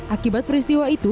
akibat peristiwa itu